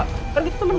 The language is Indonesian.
kan gitu temenan